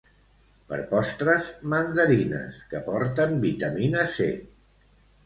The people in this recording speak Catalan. Per postres mandarines, que porten vitamina C